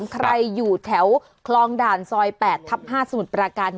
ใครอยู่แถวคลองด่านซอย๘ทับ๕สมุทรประการ